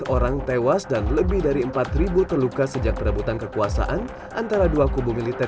sembilan orang tewas dan lebih dari empat ribu terluka sejak perebutan kekuasaan antara dua kubu militer